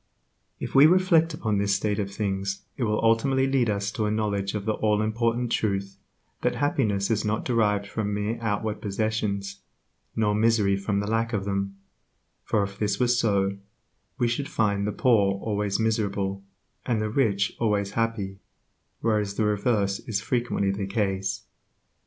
If we reflect upon this state of things it will ultimately lead us to a knowledge of the all important truth that happiness is not derived from mere outward possessions, nor misery from the lack of them; for if this were so, we should find the poor always miserable, and the rich always happy, whereas the reverse is frequently the case.